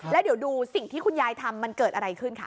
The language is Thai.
แล้วเดี๋ยวดูสิ่งที่คุณยายทำมันเกิดอะไรขึ้นคะ